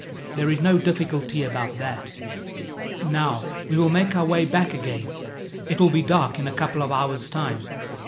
There is no difficulty about that. "Now we will make our way back again, it will be dark in a couple of hours' time.